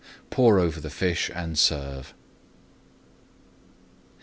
Pour over the fish and serve.